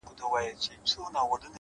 د انسان قدر په کړنو څرګندېږي,